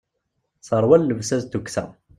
Terwa llebsa d tukksa.